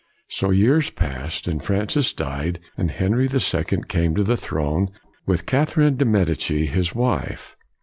So years passed, and Francis died and Henry the Second came to the throne, with Catherine de' Medici his wife.